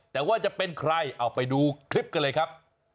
แต่ว่าจะเป็นใครเอาไปดูคลิปกันเลยครับ